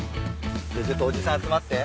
じゃちょっとおじさん集まって。